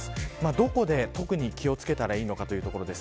どこに気を付けたらいいかというところです。